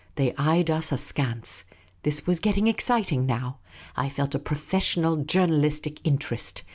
They eyed us askance. This was getting ex citing now. I felt a professional journalistic interest.